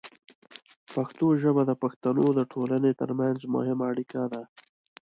پښتو ژبه د پښتنو د ټولنې ترمنځ مهمه اړیکه ده.